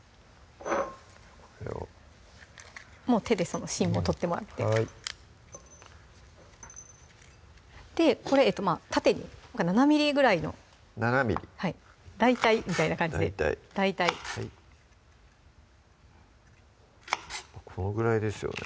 手でその芯も取ってもらってはいでこれ縦に７ｍｍぐらいの大体みたいな感じで大体はいこのぐらいですよね